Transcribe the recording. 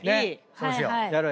そうしよう。